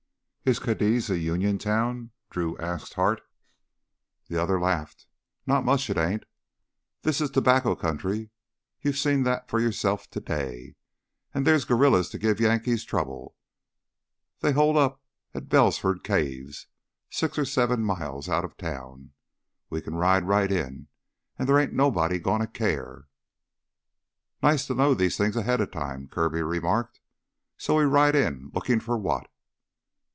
"Is Cadiz a Union town?" Drew asked Hart. The other laughed. "Not much, it ain't. This is tobacco country; you seen that for yourself today. An' there's guerrillas to give the Yankees trouble. They hole up in the Brelsford Caves, six or seven miles outta town. We can ride right in, and there ain't nobody gonna care." "Nice to know these things ahead'a time," Kirby remarked. "So we ride in lookin' for what?"